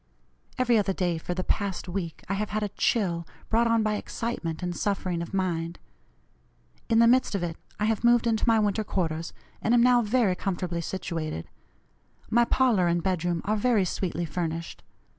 Every other day, for the past week, I have had a chill, brought on by excitement and suffering of mind. In the midst of it I have moved into my winter quarters, and am now very comfortably situated. My parlor and bedroom are very sweetly furnished.